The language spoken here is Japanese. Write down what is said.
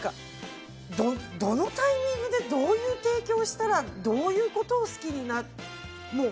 どのタイミングでどういう提供をしたらどういうことを好きになるのか。